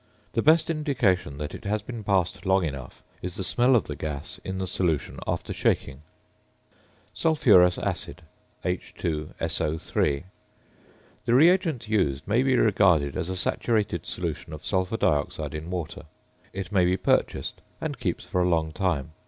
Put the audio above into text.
The best indication that it has been passed long enough is the smell of the gas in the solution after shaking. ~Sulphurous Acid~, H_SO_. The reagent used may be regarded as a saturated solution of sulphur dioxide in water. It may be purchased, and keeps for a long time.